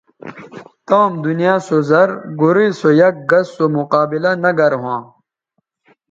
تام دنیا سو زر گورئ سو یک گس سو مقابلہ نہ گر ھواں